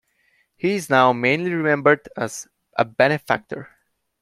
He is now mainly remembered as a benefactor.